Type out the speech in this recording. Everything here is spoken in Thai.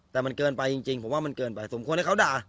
แต่มันเกินไปจริงผมว่ามันเกินไปสมควรให้เขาด่า